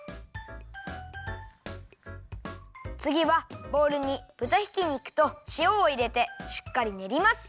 つぎはボウルにぶたひき肉としおをいれてしっかりねります！